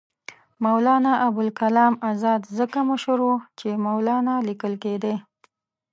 مولنا ابوالکلام آزاد ځکه مشر وو چې مولنا لیکل کېدی.